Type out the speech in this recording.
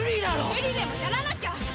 無理でもやらなきゃ！